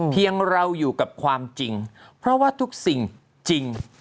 ยังเราอยู่กับความจริงเพราะว่าทุกสิ่งจริง